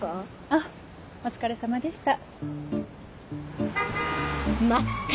あっお疲れさまでした。